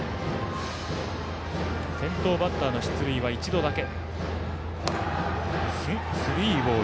先頭バッターの出塁は一度だけ。